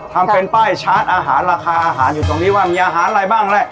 ทำเป็นป้ายชาร์จอาหารราคาอาหารอยู่ตรงนี้ว่ามีอาหารอะไรบ้างแหละ